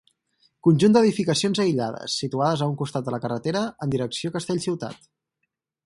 Conjunt d'edificacions aïllades, situades a un costat de la carretera en direcció a Castellciutat.